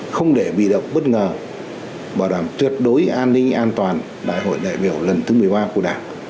không để bị động bất ngờ bảo đảm tuyệt đối an ninh an toàn đại hội đại biểu lần thứ một mươi ba của đảng